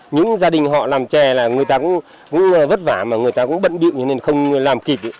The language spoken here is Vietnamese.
những gia đình họ làm chè là người ta cũng vất vả mà người ta cũng bận bịu nên không làm kịp